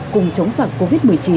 cùng chống sặc covid một mươi chín